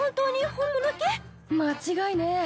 間違いねえ。